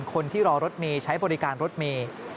คนที่รอรถเมย์ใช้บริการรถเมย์